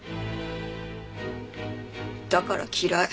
だから嫌い。